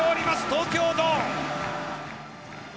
東京ドーム。